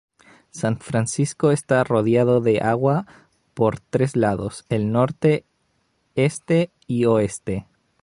San Francisco está rodeada de agua por tres lados: el norte, este y oeste.